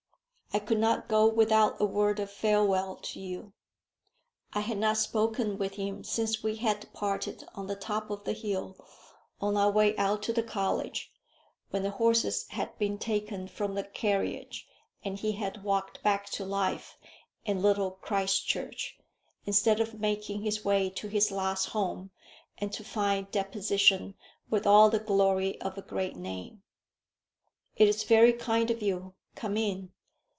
"I could not go without a word of farewell to you." I had not spoken with him since we had parted on the top of the hill on our way out to the college, when the horses had been taken from the carriage, and he had walked back to life and Little Christchurch instead of making his way to his last home, and to find deposition with all the glory of a great name. "It is very kind of you. Come in.